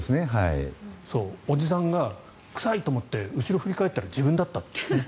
おじさんが、臭いと思って後ろを振り返ったら自分だったっていう。